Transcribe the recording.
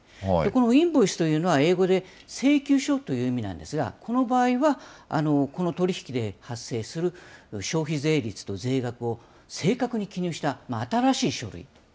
このインボイスというのは、英語で請求書という意味なんですが、この場合は、この取り引きで発生する消費税率と税額を正確に記入した新しい書